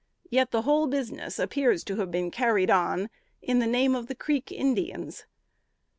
Yet the whole business appears to have been carried on in the name of the Creek Indians.